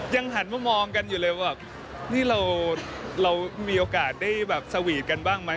หันมามองกันอยู่เลยว่านี่เรามีโอกาสได้แบบสวีทกันบ้างไหม